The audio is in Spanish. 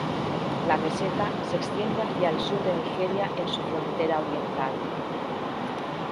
La meseta se extiende hacia el sur de Nigeria en su frontera oriental.